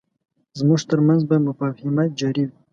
زموږ ترمنځ به مفاهمه جاري وي.